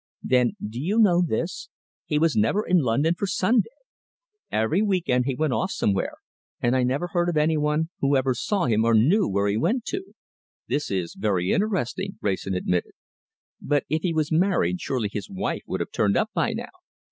Then, do you know this? He was never in London for Sunday. Every week end he went off somewhere; and I never heard of any one who ever saw him or knew where he went to." "This is very interesting," Wrayson admitted; "but if he was married, surely his wife would have turned up by now!"